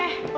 yuk yuk yuk